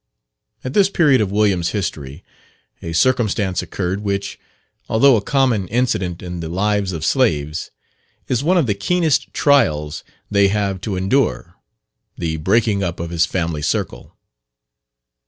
At this period of William's history, a circumstance occurred, which, although a common incident in the lives of slaves, is one of the keenest trials they have to endure the breaking up of his family circle.